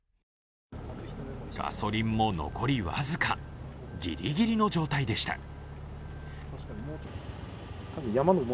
ガソリンも残り僅か、ギリギリの状態でした。